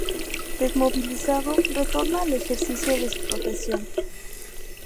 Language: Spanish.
Desmovilizado, retorna al ejercicio de su profesión.